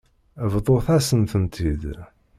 Bḍut-asen-tent-id.